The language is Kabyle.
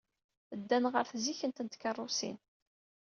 Ddan ɣer tzikkent n tkeṛṛusin.